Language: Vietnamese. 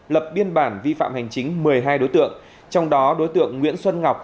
lập biên bản vi phạm hành chính một mươi hai đối tượng trong đó đối tượng nguyễn xuân ngọc